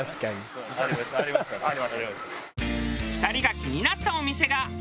２人が気になったお店が。